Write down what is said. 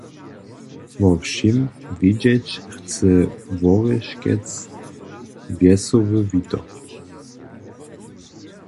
Wo wšěm wědźeć chce Worješkec wjesoły Wito.